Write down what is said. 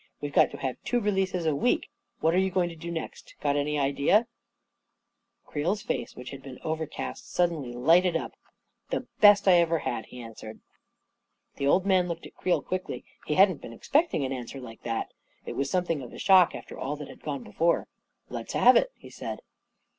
We've got to have two releases a week ! What are you going to do next? Got any idea? " A KING IN BABYLON 15 Creel's face, which had been overcast, suddenly lighted up. 11 The best I ever had I " he answered. The old man looked at Creel quickly; he hadn't been expecting an answer like that. It was some thing of a shock after all that had gone before. "Let's have it," he said.